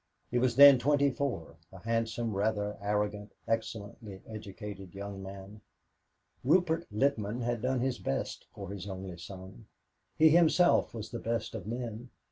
He was then twenty four, a handsome, rather arrogant, excellently educated young man. Rupert Littman had done his best for his only son. He himself was the best of men.